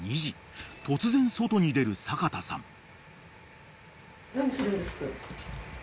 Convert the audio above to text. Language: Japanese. ［突然外に出る阪田さん］